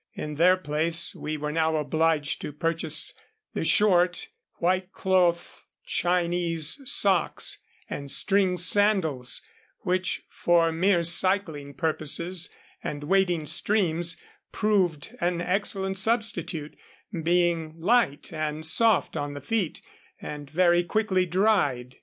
In their place we were now obliged to purchase the short, white cloth Chinese socks and string sandals, which for mere cycling purposes and wading streams proved an excellent substitute, being light and soft on the feet and very quickly dried.